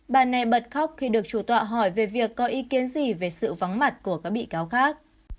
bà này bật khóc khi được chủ tọa hỏi về việc có ý kiến gì về sự vắng mặt của các bị cáo khác